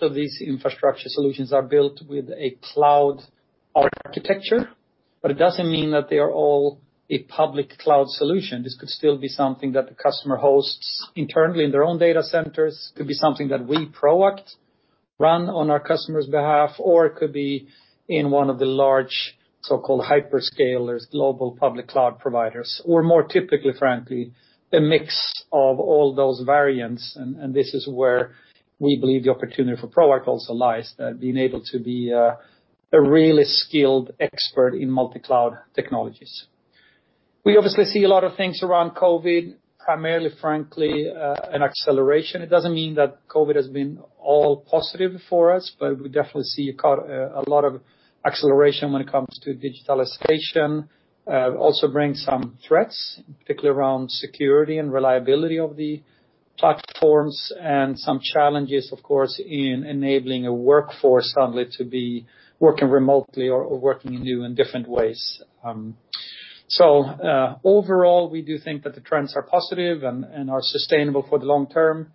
These infrastructure solutions are built with a cloud architecture, but it does not mean that they are all a public cloud solution. This could still be something that the customer hosts internally in their own data centers, could be something that we Proact IT Group AB run on our customer's behalf, or it could be in one of the large so-called hyperscalers, global public Cloud providers, or more typically, frankly, a mix of all those variants. This is where we believe the opportunity for Proact IT Group AB also lies, that being able to be a really skilled expert in multi-cloud technologies. We obviously see a lot of things around COVID-19, primarily, frankly, an acceleration. It does not mean that COVID-19 has been all positive for us, but we definitely see a lot of acceleration when it comes to digitalization. It also brings some threats, particularly around security and reliability of the platforms, and some challenges, of course, in enabling a workforce suddenly to be working remotely or working in new and different ways. Overall, we do think that the trends are positive and are sustainable for the long term.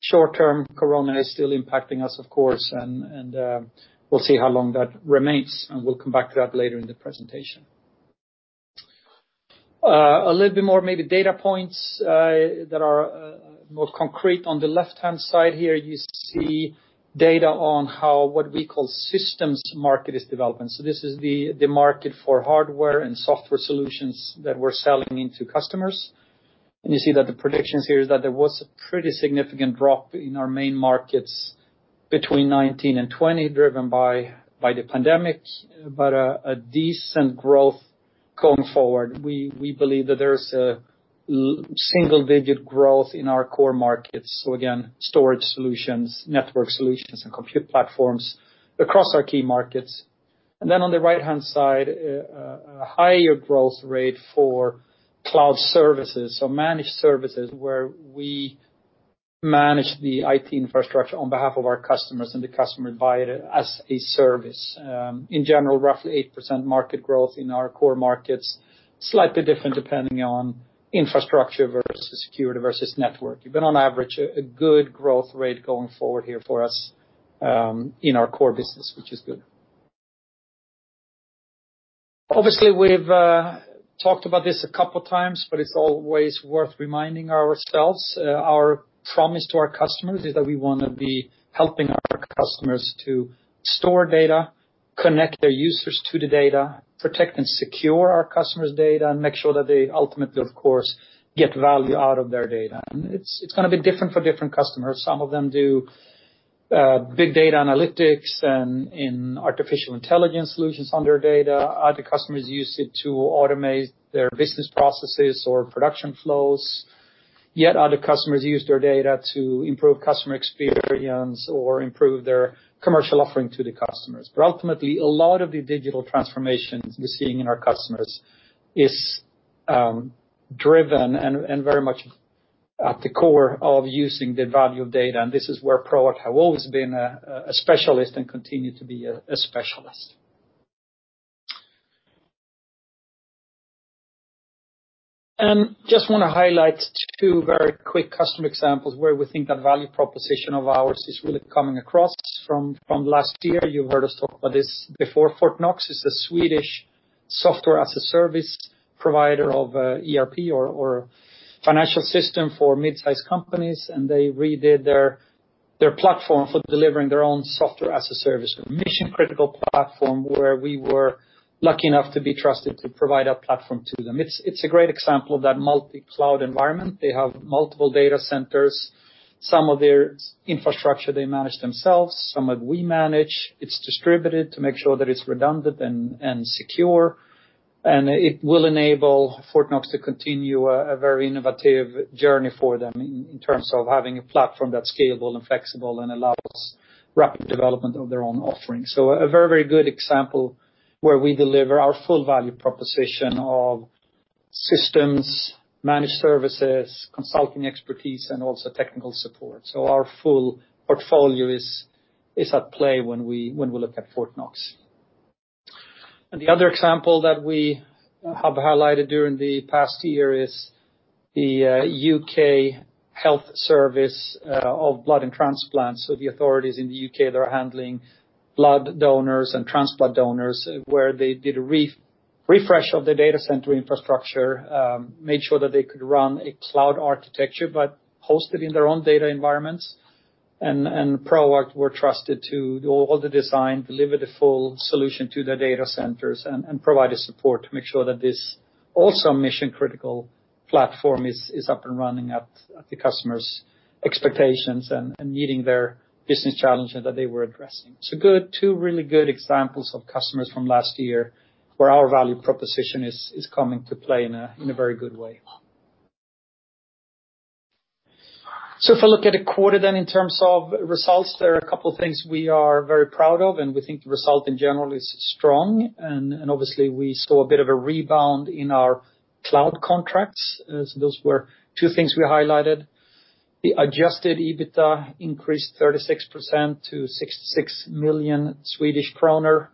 Short term, corona is still impacting us, of course, and we'll see how long that remains, and we'll come back to that later in the presentation. A little bit more maybe data points that are more concrete. On the left-hand side here, you see data on how what we call systems market is developing. This is the market for hardware and software solutions that we're selling into customers. You see that the predictions here is that there was a pretty significant drop in our main markets between 2019 and 2020, driven by the pandemic, but a decent growth going forward. We believe that there's a single-digit growth in our core markets. Storage solutions, network solutions, and compute platforms across our key markets. On the right-hand side, a higher growth rate for Cloud services, managed services, where we manage the IT infrastructure on behalf of our customers and the customer buys it as a service. In general, roughly 8% market growth in our core markets, slightly different depending on infrastructure versus security versus network. On average, a good growth rate going forward here for us in our core business, which is good. Obviously, we've talked about this a couple of times, but it's always worth reminding ourselves. Our promise to our customers is that we want to be helping our customers to store data, connect their users to the data, protect and secure our customers' data, and make sure that they ultimately, of course, get value out of their data. It is going to be different for different customers. Some of them do big data analytics and artificial intelligence solutions on their data. Other customers use it to automate their business processes or production flows. Yet other customers use their data to improve customer experience or improve their commercial offering to the customers. Ultimately, a lot of the digital transformations we are seeing in our customers is driven and very much at the core of using the value of data. This is where Proact IT Group AB has always been a specialist and continues to be a specialist. I just want to highlight two very quick customer examples where we think that value proposition of ours is really coming across from last year. You've heard us talk about this before. Fortnox is a Swedish software as a service provider of ERP or financial system for mid-sized companies, and they redid their platform for delivering their own software as a service, a mission-critical platform where we were lucky enough to be trusted to provide that platform to them. It's a great example of that multi-Cloud environment. They have multiple data centers. Some of their infrastructure they manage themselves, some of it we manage. It's distributed to make sure that it's redundant and secure. It will enable Fortnox to continue a very innovative journey for them in terms of having a platform that's scalable and flexible and allows rapid development of their own offering. A very, very good example where we deliver our full value proposition of systems, managed services, consulting expertise, and also technical support. Our full portfolio is at play when we look at Fortnox. The other example that we have highlighted during the past year is the U.K. health service of blood and transplants. The authorities in the U.K. that are handling blood donors and transplant donors did a refresh of the data center infrastructure, made sure that they could run a Cloud architecture but hosted in their own data environments. Proact IT Group AG were trusted to do all the design, deliver the full solution to their data centers, and provide support to make sure that this also mission-critical platform is up and running at the customer's expectations and meeting their business challenges that they were addressing. Two really good examples of customers from last year where our value proposition is coming to play in a very good way. If I look at the quarter then in terms of results, there are a couple of things we are very proud of, and we think the result in general is strong. Obviously, we saw a bit of a rebound in our cloud contracts. Those were two things we highlighted. The adjusted EBITDA increased 36% to 66 million Swedish kronor,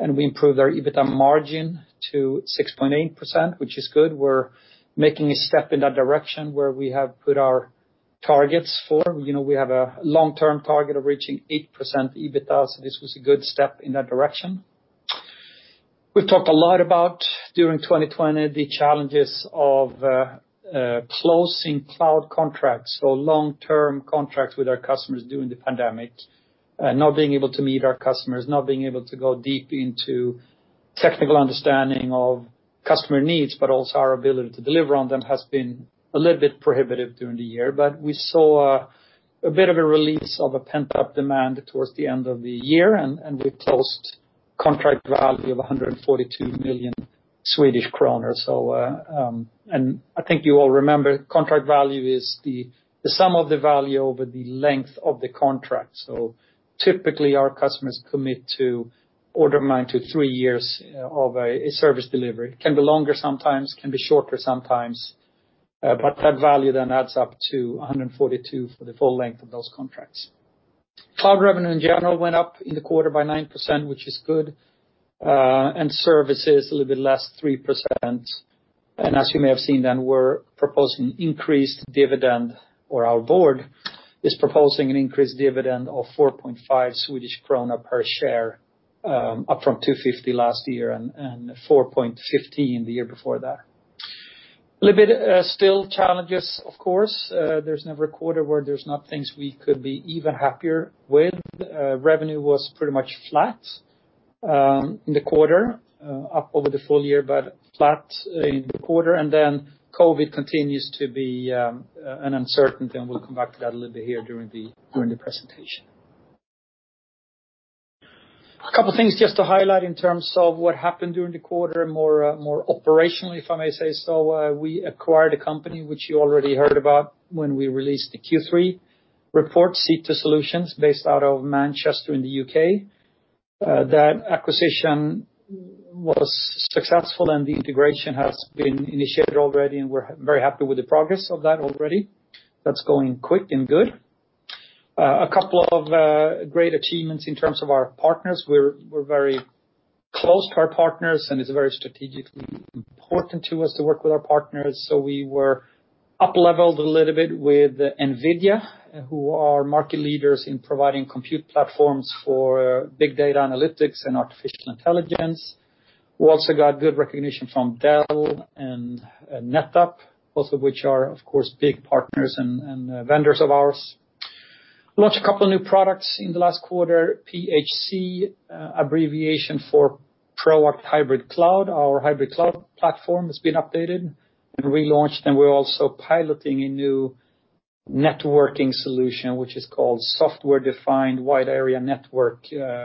and we improved our EBITDA margin to 6.8%, which is good. We're making a step in that direction where we have put our targets for. We have a long-term target of reaching 8% EBITDA, so this was a good step in that direction. We've talked a lot about during 2020 the challenges of closing Cloud contracts, so long-term contracts with our customers during the pandemic, not being able to meet our customers, not being able to go deep into technical understanding of customer needs, but also our ability to deliver on them has been a little bit prohibitive during the year. We saw a bit of a release of a pent-up demand towards the end of the year, and we closed contract value of 142 million Swedish kronor. I think you all remember contract value is the sum of the value over the length of the contract. Typically, our customers commit to order mine to three years of a service delivery. It can be longer sometimes, can be shorter sometimes, but that value then adds up to 142 million for the full length of those contracts. Cloud revenue in general went up in the quarter by 9%, which is good, and services a little bit less, 3%. As you may have seen then, we're proposing increased dividend, or our board is proposing an increased dividend of 4.5 Swedish krona per share, up from 2.50 last year and 4.15 the year before that. A little bit still challenges, of course. There's never a quarter where there's not things we could be even happier with. Revenue was pretty much flat in the quarter, up over the full year, but flat in the quarter. COVID-19 continues to be an uncertainty, and we'll come back to that a little bit here during the presentation. A couple of things just to highlight in terms of what happened during the quarter, more operationally, if I may say so. We acquired a company, which you already heard about when we released the Q3 report, Cedars, based out of Manchester in the U.K. That acquisition was successful, and the integration has been initiated already, and we're very happy with the progress of that already. That's going quick and good. A couple of great achievements in terms of our partners. We're very close to our partners, and it's very strategically important to us to work with our partners. We were up-leveled a little bit with NVIDIA, who are market leaders in providing compute platforms for big data analytics and artificial intelligence. We also got good recognition from Dell and NetApp, both of which are, of course, big partners and vendors of ours. Launched a couple of new products in the last quarter, PHC, abbreviation for Proact Hybrid Cloud. Our hybrid cloud platform has been updated and relaunched, and we're also piloting a new networking solution, which is called Software-Defined Wide Area Network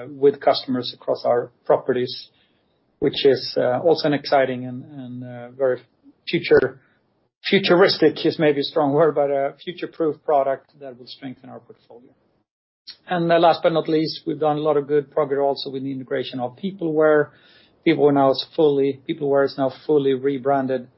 with customers across our properties, which is also an exciting and very futuristic, is maybe a strong word, but a future-proof product that will strengthen our portfolio. Last but not least, we've done a lot of good progress also with the integration of Peopleware. Peopleware is now fully rebranded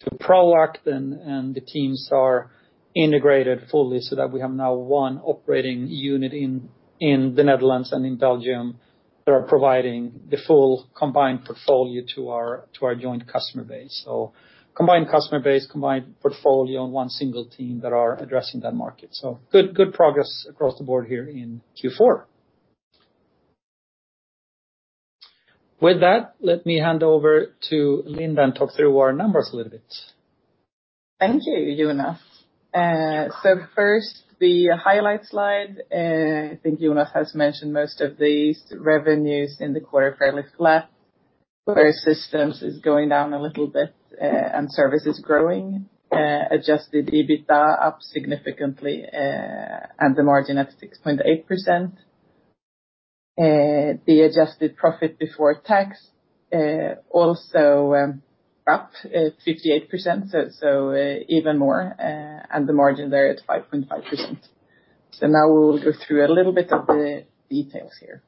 to Proact IT Group AB, and the teams are integrated fully so that we have now one operating unit in the Netherlands and in Belgium that are providing the full combined portfolio to our joint customer base. Combined customer base, combined portfolio on one single team that are addressing that market. Good progress across the board here in Q4. With that, let me hand over to Linda and talk through our numbers a little bit. Thank you, Jonas. First, the highlight slide. I think Jonas has mentioned most of these. Revenues in the quarter fairly flat. Quarter systems is going down a little bit, and services growing. Adjusted EBITDA up significantly and the margin at 6.8%. The adjusted profit before tax also up 58%, so even more, and the margin there at 5.5%. Now we'll go through a little bit of the details here.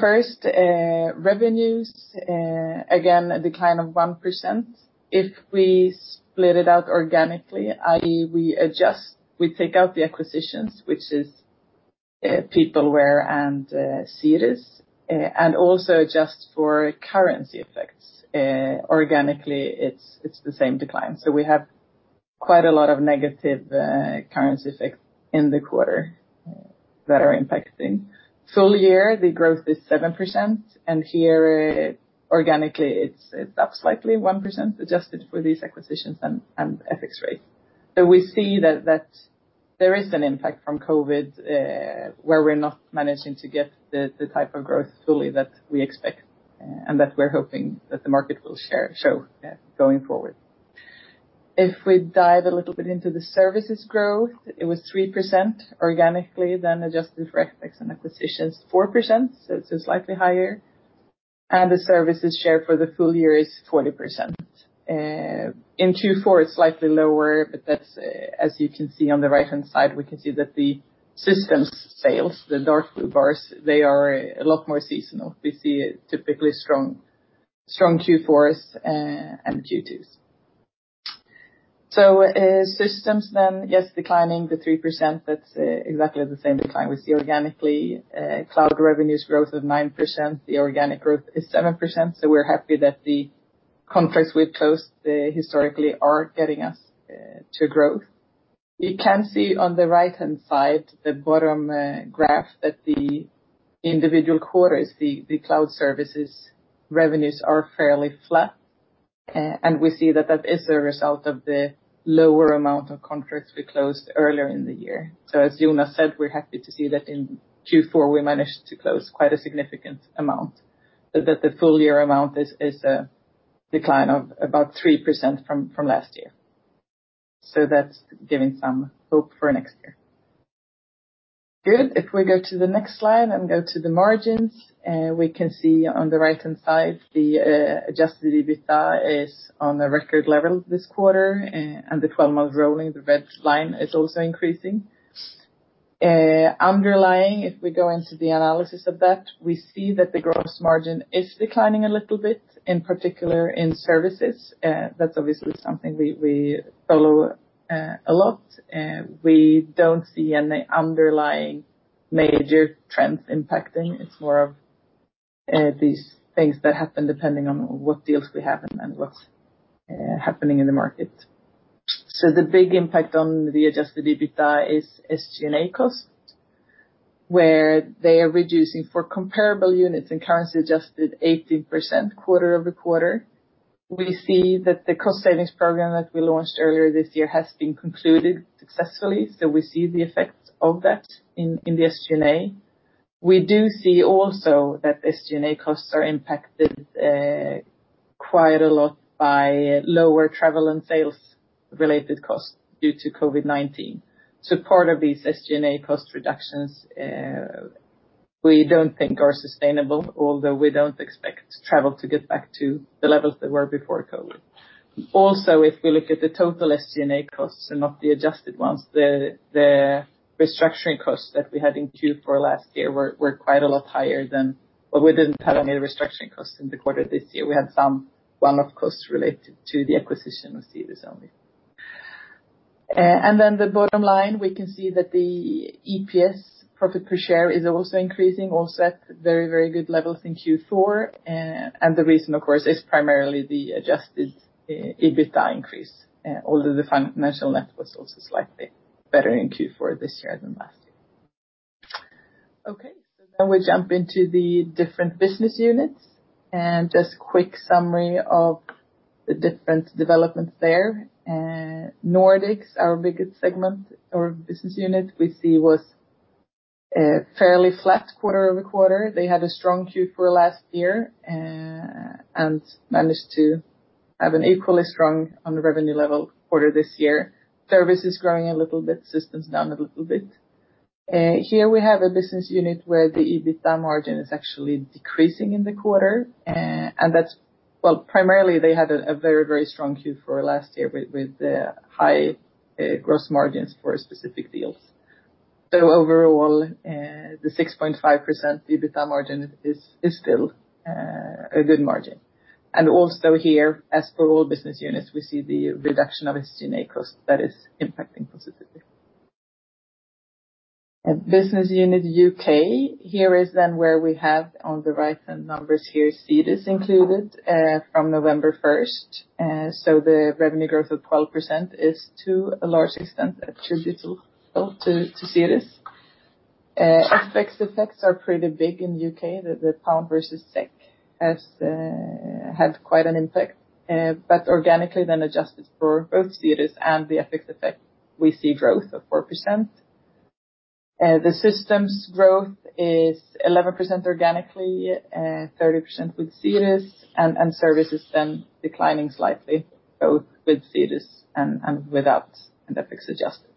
First, revenues, again, a decline of 1%. If we split it out organically, i.e., we adjust, we take out the acquisitions, which is Peopleware and Cedars, and also adjust for currency effects. Organically, it's the same decline. We have quite a lot of negative currency effects in the quarter that are impacting. Full year, the growth is 7%, and here, organically, it's up slightly, 1% adjusted for these acquisitions and FX rates. We see that there is an impact from COVID-19 where we're not managing to get the type of growth fully that we expect and that we're hoping that the market will show going forward. If we dive a little bit into the services growth, it was 3% organically, then adjusted for FX and acquisitions, 4%, so slightly higher. The services share for the full year is 40%. In Q4, it's slightly lower, but as you can see on the right-hand side, we can see that the systems sales, the dark blue bars, are a lot more seasonal. We see typically strong Q4s and Q2s. Systems then, yes, declining the 3%, that's exactly the same decline we see organically. Cloud revenues growth of 9%, the organic growth is 7%. We're happy that the contracts we've closed historically are getting us to growth. You can see on the right-hand side, the bottom graph that the individual quarters, the Cloud services revenues are fairly flat, and we see that that is a result of the lower amount of contracts we closed earlier in the year. As Jonas said, we're happy to see that in Q4 we managed to close quite a significant amount, that the full year amount is a decline of about 3% from last year. That is giving some hope for next year. Good. If we go to the next slide and go to the margins, we can see on the right-hand side, the adjusted EBITDA is on a record level this quarter, and the 12-month rolling, the red line is also increasing. Underlying, if we go into the analysis of that, we see that the gross margin is declining a little bit, in particular in services. That's obviously something we follow a lot. We don't see any underlying major trends impacting. It's more of these things that happen depending on what deals we have and what's happening in the market. The big impact on the adjusted EBITDA is SG&A cost, where they are reducing for comparable units and currency adjusted 18% quarter over quarter. We see that the cost savings program that we launched earlier this year has been concluded successfully, so we see the effects of that in the SG&A. We do see also that SG&A costs are impacted quite a lot by lower travel and sales-related costs due to COVID-19. Part of these SG&A cost reductions, we don't think are sustainable, although we don't expect travel to get back to the levels that were before COVID. Also, if we look at the total SG&A costs and not the adjusted ones, the restructuring costs that we had in Q4 last year were quite a lot higher than what we did not have any restructuring costs in the quarter this year. We had some one-off costs related to the acquisition of Cedars only. The bottom line, we can see that the EPS, profit per share, is also increasing, also at very, very good levels in Q4. The reason, of course, is primarily the adjusted EBITDA increase, although the financial net was also slightly better in Q4 this year than last year. Okay, we jump into the different business units and just quick summary of the different developments there. Nordics, our biggest segment or business unit, we see was fairly flat quarter over quarter. They had a strong Q4 last year and managed to have an equally strong on the revenue level quarter this year. Services growing a little bit, systems down a little bit. Here we have a business unit where the EBITDA margin is actually decreasing in the quarter. That is, primarily they had a very, very strong Q4 last year with high gross margins for specific deals. Overall, the 6.5% EBITDA margin is still a good margin. Also here, as for all business units, we see the reduction of SG&A costs that is impacting positively. Business unit U.K., here is then where we have on the right-hand numbers here, Cedars included from November 1st. The revenue growth of 12% is to a large extent attributable to Cedars. FX effects are pretty big in the U.K. The pound versus SEK has had quite an impact. Organically then adjusted for both Cedars and the FX effect, we see growth of 4%. The systems growth is 11% organically, 30% with Cedars, and services then declining slightly, both with Cedars and without FX adjusted.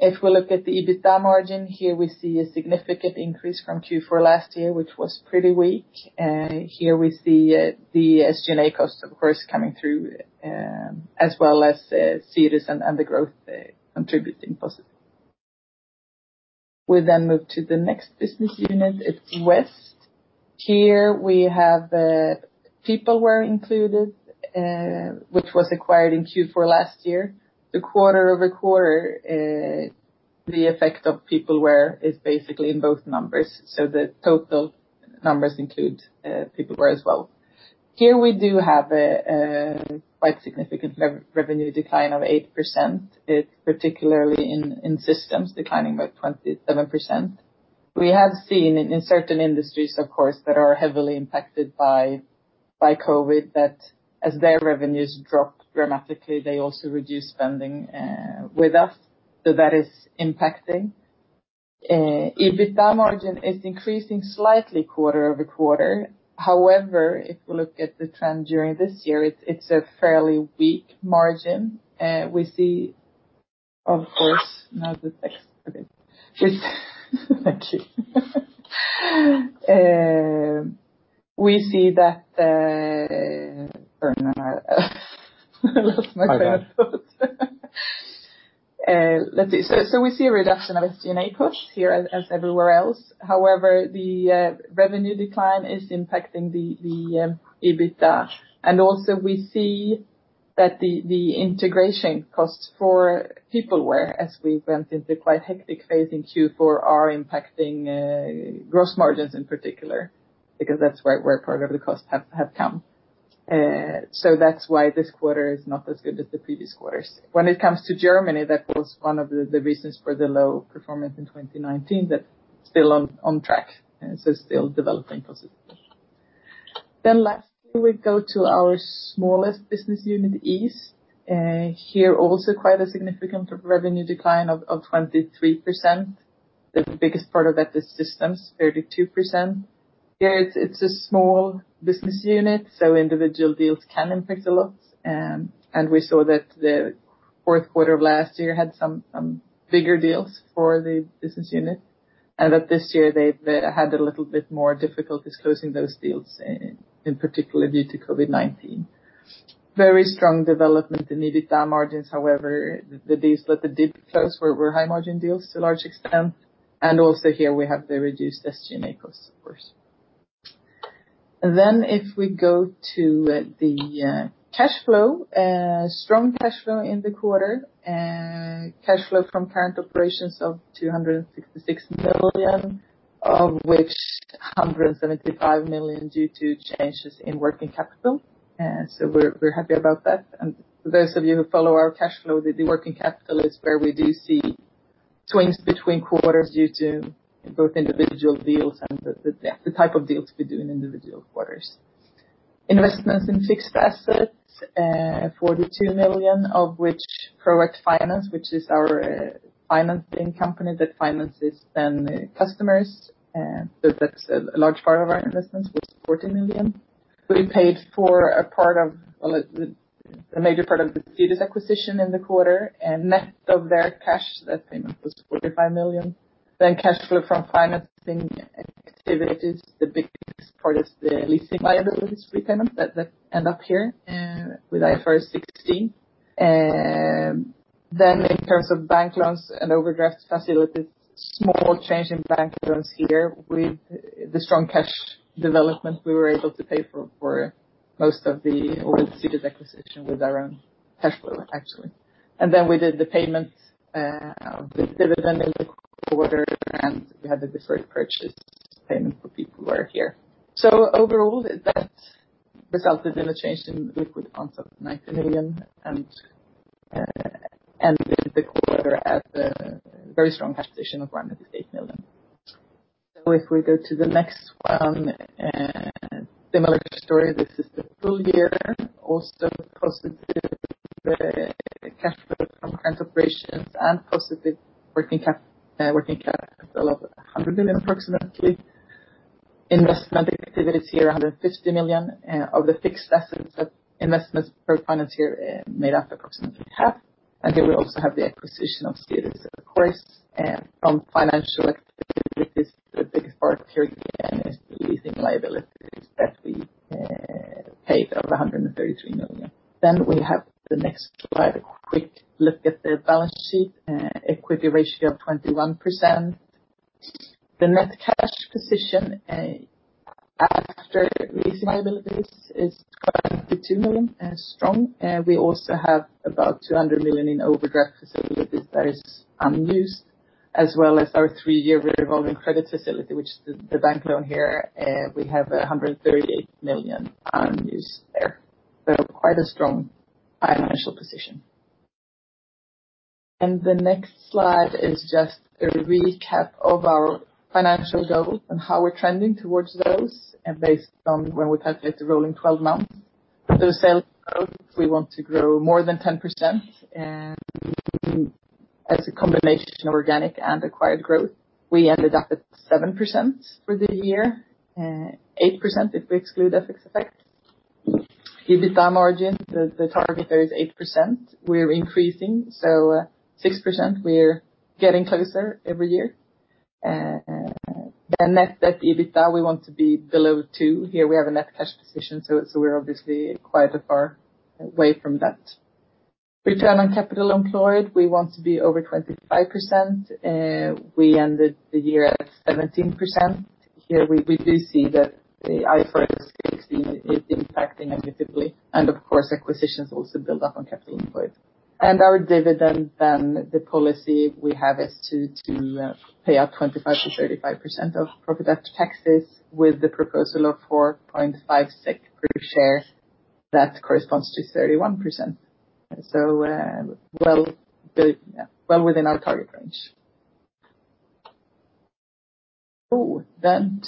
If we look at the EBITDA margin, here we see a significant increase from Q4 last year, which was pretty weak. Here we see the SG&A costs, of course, coming through, as well as Cedars and the growth contributing positively. We then move to the next business unit. It is West. Here we have Peopleware included, which was acquired in Q4 last year. The quarter over quarter, the effect of Peopleware is basically in both numbers. The total numbers include Peopleware as well. Here we do have a quite significant revenue decline of 8%. It is particularly in systems declining by 27%. We have seen in certain industries, of course, that are heavily impacted by COVID-19 that as their revenues drop dramatically, they also reduce spending with us. That is impacting. EBITDA margin is increasing slightly quarter over quarter. However, if we look at the trend during this year, it's a fairly weak margin. We see, of course, now the text a bit. Thank you. We see that I lost my train of thought. Let's see. We see a reduction of SG&A costs here as everywhere else. However, the revenue decline is impacting the EBITDA. Also, we see that the integration costs for Peopleware, as we went into quite hectic phase in Q4, are impacting gross margins in particular because that's where part of the costs have come. That's why this quarter is not as good as the previous quarters. When it comes to Germany, that was one of the reasons for the low performance in 2019, that's still on track, so still developing positively. Lastly, we go to our smallest business unit, East. Here also quite a significant revenue decline of 23%. The biggest part of that is systems, 32%. Here it's a small business unit, so individual deals can impact a lot. We saw that the fourth quarter of last year had some bigger deals for the business unit, and that this year they've had a little bit more difficulties closing those deals, in particular due to COVID-19. Very strong development in EBITDA margins. However, the deals that did close were high margin deals to a large extent. Also here we have the reduced SG&A costs, of course. If we go to the cash flow, strong cash flow in the quarter, cash flow from current operations of 266 million, of which 175 million due to changes in working capital. We are happy about that. For those of you who follow our cash flow, the working capital is where we do see swings between quarters due to both individual deals and the type of deals we do in individual quarters. Investments in fixed assets, 42 million, of which Proact Finance, which is our financing company that finances then customers. That is a large part of our investments, was 40 million. We paid for a part of, the major part of the Cedars acquisition in the quarter. Net of their cash, that payment was 45 million. Cash flow from financing activities, the biggest part is the leasing liabilities repayment that end up here with IFRS 16. In terms of bank loans and overdraft facilities, small change in bank loans here with the strong cash development, we were able to pay for most of the old Cedars acquisition with our own cash flow, actually. We did the payment of the dividend in the quarter, and we had the deferred purchase payment for Peopleware here. Overall, that resulted in a change in liquid amounts of 90 million and ended the quarter at a very strong capitation of 188 million. If we go to the next one, similar story, this is the full year, also positive cash flow from current operations and positive working capital of 100 million approximately. Investment activities here, 150 million. Of the fixed assets investments per finance here, made up approximately half. Here we also have the acquisition of Cedars, of course. From financial activities, the biggest part here again is the leasing liabilities that we paid of 133 million. Then we have the next slide, a quick look at the balance sheet, equity ratio of 21%. The net cash position after leasing liabilities is 22 million, strong. We also have about 200 million in overdraft facilities that is unused, as well as our three-year revolving credit facility, which is the bank loan here. We have SEK 138 million unused there. Quite a strong financial position. The next slide is just a recap of our financial goals and how we're trending towards those based on when we calculate the rolling 12 months. Sales growth, we want to grow more than 10%. As a combination of organic and acquired growth, we ended up at 7% for the year, 8% if we exclude FX effects. EBITDA margin, the target there is 8%. We're increasing, so 6%, we're getting closer every year. Net debt EBITDA, we want to be below 2%. Here we have a net cash position, so we're obviously quite a far away from that. Return on capital employed, we want to be over 25%. We ended the year at 17%. Here we do see that the IFRS 16 is impacting negatively. Of course, acquisitions also build up on capital employed. Our dividend then, the policy we have is to pay out 25% to 35% of profit after taxes with the proposal of 4.56 per share. That corresponds to 31%. So well within our target range.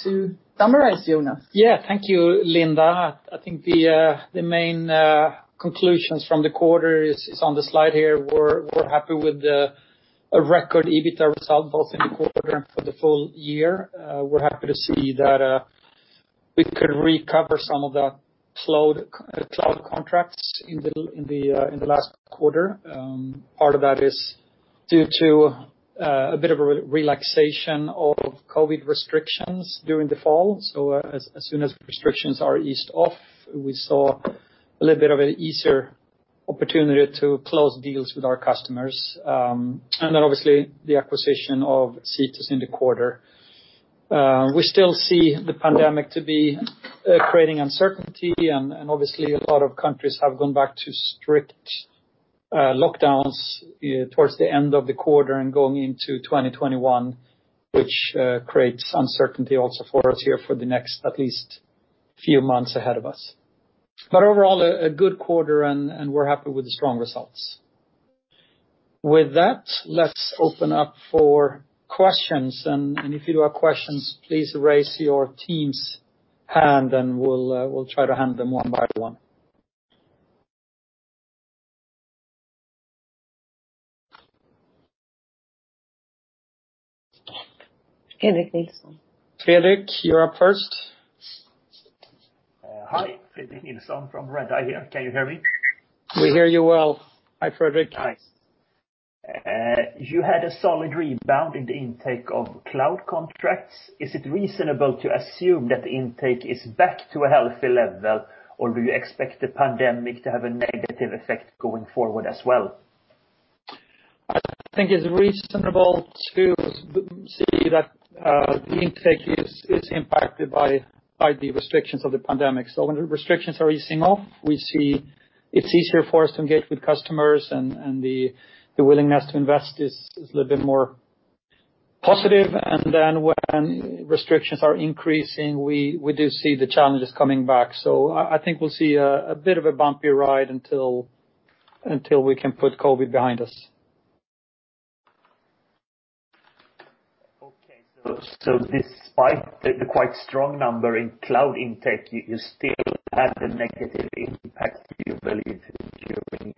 To summarize, Jonas. Yeah, thank you, Linda. I think the main conclusions from the quarter is on the slide here. We're happy with the record EBITDA result both in the quarter and for the full year. We're happy to see that we could recover some of the cloud contracts in the last quarter. Part of that is due to a bit of a relaxation of COVID-19 restrictions during the fall. As soon as restrictions are eased off, we saw a little bit of an easier opportunity to close deals with our customers. Obviously the acquisition of Cedars in the quarter. We still see the pandemic to be creating uncertainty, and obviously a lot of countries have gone back to strict lockdowns towards the end of the quarter and going into 2021, which creates uncertainty also for us here for the next at least few months ahead of us. Overall, a good quarter, and we're happy with the strong results. With that, let's open up for questions. If you have questions, please raise your team's hand, and we'll try to handle them one by one. Fredrik Nilsson. Fredrik, you're up first. Hi, Fredrik Nilsson from Redeye AB here. Can you hear me? We hear you well. Hi, Fredrik. Hi. You had a solid rebound in the intake of Cloud contracts. Is it reasonable to assume that the intake is back to a healthy level, or do you expect the pandemic to have a negative effect going forward as well? I think it's reasonable to see that the intake is impacted by the restrictions of the pandemic. When the restrictions are easing off, we see it's easier for us to engage with customers, and the willingness to invest is a little bit more positive. When restrictions are increasing, we do see the challenges coming back. I think we'll see a bit of a bumpy ride until we can put COVID-19 behind us. Okay. Despite the quite strong number in Cloud intake, you still had a negative impact, you believe, during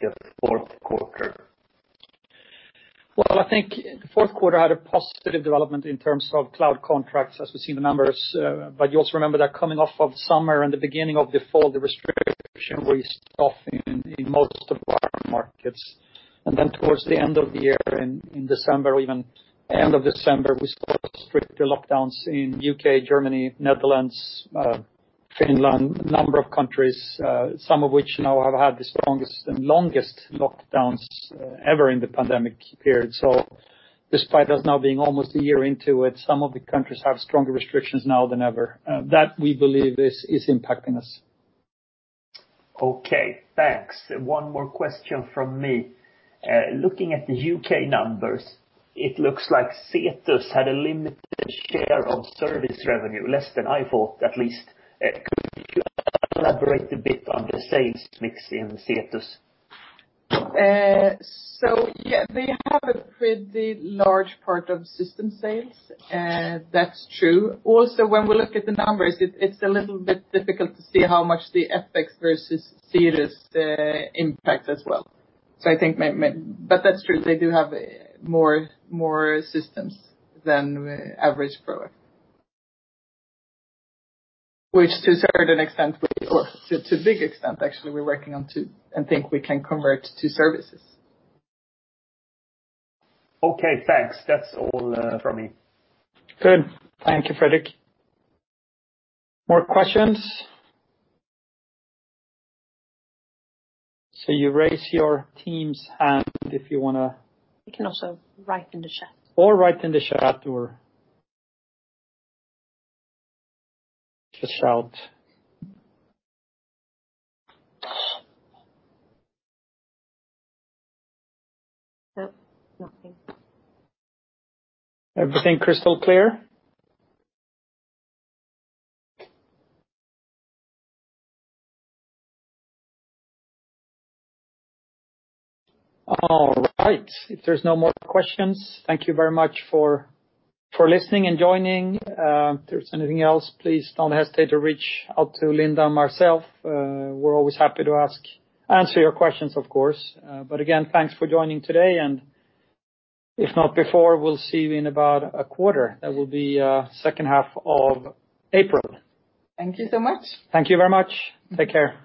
the fourth quarter? I think the fourth quarter had a positive development in terms of Cloud contracts as we see the numbers. You also remember that coming off of summer and the beginning of the fall, the restriction was off in most of our markets. Towards the end of the year, in December, or even end of December, we saw stricter lockdowns in the U.K., Germany, Netherlands, Finland, a number of countries, some of which now have had the strongest and longest lockdowns ever in the pandemic period. Despite us now being almost a year into it, some of the countries have stronger restrictions now than ever. That we believe is impacting us. Okay. Thanks. One more question from me. Looking at the U.K. numbers, it looks like Cedars had a limited share of service revenue, less than I thought at least. Could you elaborate a bit on the sales mix in Cedars? Yeah, they have a pretty large part of system sales. That's true. Also, when we look at the numbers, it's a little bit difficult to see how much the FX versus Cedars impact as well. I think, but that's true. They do have more systems than average product, which to a certain extent, or to a big extent, actually, we're working on to and think we can convert to services. Okay. Thanks. That's all from me. Good. Thank you, Fredrik. More questions? Raise your team's hand if you want to. You can also write in the chat. Or write in the chat or just shout. Nothing. Everything crystal clear? All right. If there's no more questions, thank you very much for listening and joining. If there's anything else, please don't hesitate to reach out to Linda and myself. We're always happy to answer your questions, of course. Again, thanks for joining today. If not before, we'll see you in about a quarter. That will be second half of April. Thank you so much. Thank you very much. Take care.